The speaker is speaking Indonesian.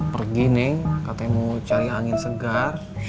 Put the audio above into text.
pergi nih katanya mau cari angin segar